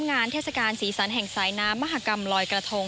เทศกาลสีสันแห่งสายน้ำมหากรรมลอยกระทง